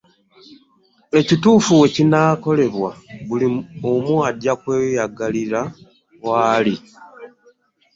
Ekituufu w'ekinaakolebwa buli omu agya kweyagalira wali.